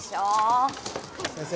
先生。